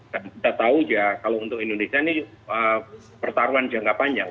karena kita tahu ya kalau untuk indonesia ini pertaruhan jangka panjang